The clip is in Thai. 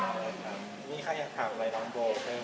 อืม